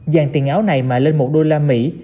dàn tiền áo này mà lên một đô la mỹ